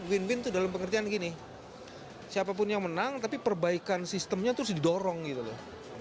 win win itu dalam pengertian gini siapapun yang menang tapi perbaikan sistemnya terus didorong gitu loh